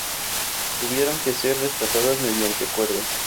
Tuvieron que ser rescatadas mediante cuerdas.